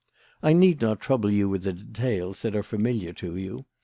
I need not trouble you with details that are familiar to you.